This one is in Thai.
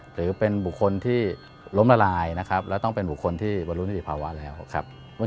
หรือเป็นบุคคลที่ล้มละลายนะครับแล้วต้องเป็นบุคคลที่บรรลุนิติภาวะแล้วครับ